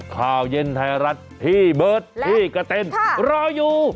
ข่าวเย็นไทยรัฐพี่เบิร์ตพี่กะเต้นรออยู่